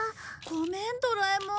ごめんドラえもん。